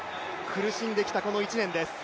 苦しんできたこの１年です。